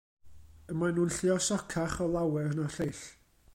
Y mae'n nhw'n lluosocach o lawer na'r lleill.